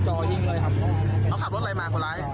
จ่อยิงเลยครับเขาขับรถอะไรมาคนร้าย